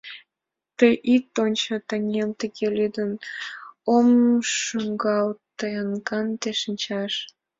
Тый ит ончо, таҥем, тыге лӱдын — Ом шуҥгалт тыйын канде шинчаш.